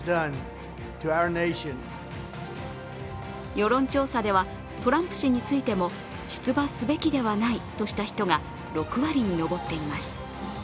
世論調査ではトランプ氏についても出馬すべきではないとした人が６割に上っています。